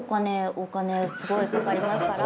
お金すごいかかりますから。